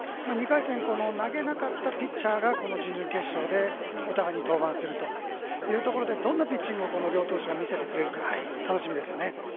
２回戦投げなかったピッチャーがこの準々決勝でお互いに登板するというところでどんなピッチングを両投手が見せてくれるか楽しみですよね。